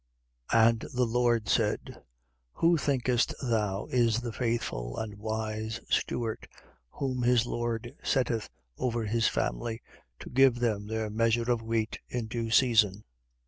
12:42. And the Lord said: Who thinkest thou is the faithful and wise steward, whom his lord setteth over his family, to give them their measure of wheat in due season?